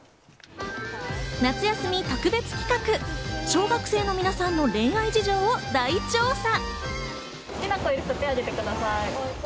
夏休み特別企画、小学生の皆さんの恋愛事情を大調査。